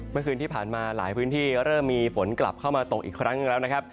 เมื่อคืนที่ผ่านมาหลายพื้นที่เริ่มมีฝนกลับเข้ามาตกอีกครั้งหนึ่งแล้วนะครับ